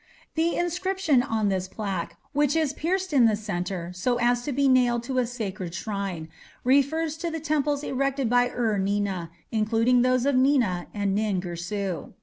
The inscription on this plaque, which is pierced in the centre so as to be nailed to a sacred shrine, refers to the temples erected by Ur Nina, including those of Nina and Nin Girsu.